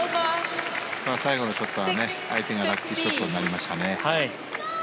最後のショットは相手がラッキーショットになりました。